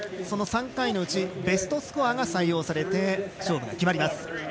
その３回のうちベストスコアが採用されて勝負が決まります。